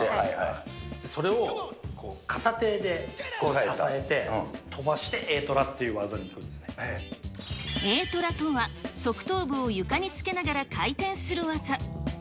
それを片手で支えて、Ａトラとは、側頭部を床につけながら回転する技。